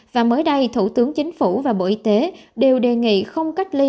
và mới đây thủ tướng chính phủ và bộ y tế đều đề nghị không cách ly